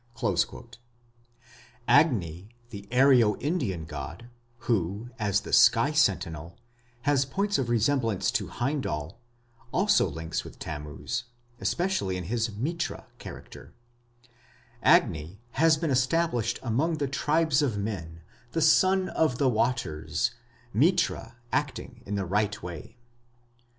Agni, the Aryo Indian god, who, as the sky sentinel, has points of resemblance to Heimdal, also links with Tammuz, especially in his Mitra character: Agni has been established among the tribes of men, the son of the waters, Mitra acting in the right way.